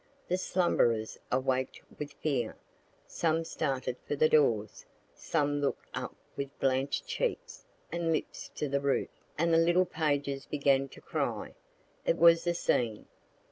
The slumberers awaked with fear, some started for the doors, some look'd up with blanch'd cheeks and lips to the roof, and the little pages began to cry; it was a scene.